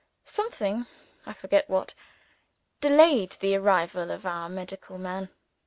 Something I forget what delayed the arrival of our medical man.